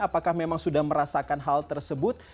apakah memang sudah merasakan hal tersebut